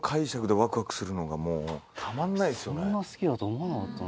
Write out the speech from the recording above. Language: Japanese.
そんな好きだと思わなかったな。